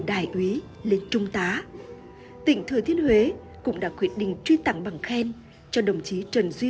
đại úy lên trung tá tỉnh thừa thiên huế cũng đã quyết định truy tặng bằng khen cho đồng chí trần duy